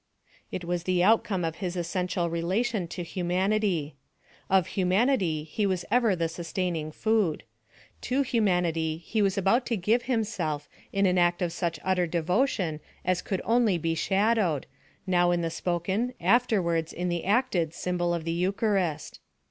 It was the outcome of his essential relation to humanity. Of humanity he was ever the sustaining food. To humanity he was about to give himself in an act of such utter devotion as could only be shadowed now in the spoken, afterwards in the acted symbol of the eucharist.